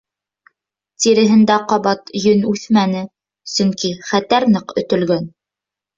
Тиреһендә ҡабат йөн үҫмәне, сөнки хәтәр ныҡ өтөлгән.